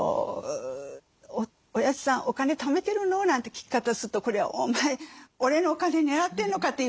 「おやじさんお金ためてるの？」なんて聞き方するとこれは「お前俺のお金狙ってんのか」って言われてしまいますからね。